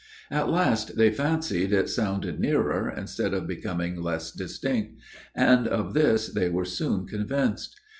At last they fancied it sounded nearer instead of becoming less distinct; and of this they were soon convinced.